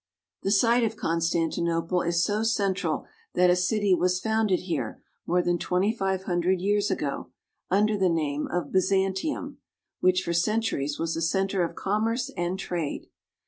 The site of Constantinople is so central that a city was founded here more than twenty five hundred years ago, under the name of Byzantium, which for centuries was a center of commerce and trade.